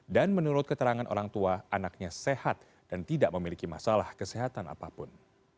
dan menurut keterangan orang tua anaknya sehat dan tidak memiliki masalah kesehatan apapun